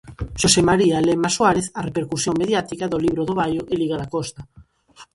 Xosé María Lema Suárez: a repercusión mediática do libro do Baio e liga da Costa.